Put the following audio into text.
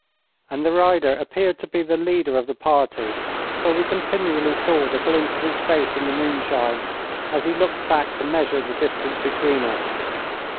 And the rider appeared to be the leader of the party, for we continually saw the glint of his face in the moonshine as he looked back to measure the distance between us.